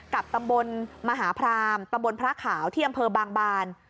กับตำบลมหาพรามตำบลพระขาวที่อำเภอบางบาน